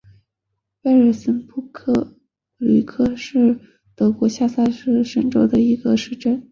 贝尔森布吕克是德国下萨克森州的一个市镇。